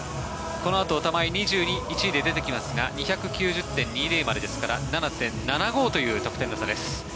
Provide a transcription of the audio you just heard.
このあと玉井２１位で出てきますが２９０．２０までなので７．７５という得点差です。